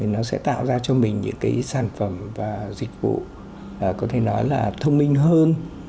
nó sẽ tạo ra cho mình những cái sản phẩm và dịch vụ có thể nói là thông minh hơn